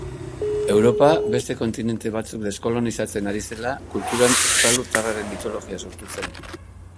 Europa beste kontinente batzuk deskolonizatzen ari zela, kulturan estralurtarraren mitologia sortu zen.